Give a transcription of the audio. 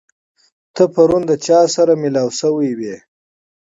ته پرون د چا سره مېلاو شوی وې؟